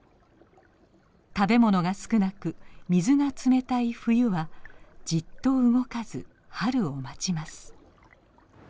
食べ物が少なく水が冷たい冬はじっと動かず春を待ちます。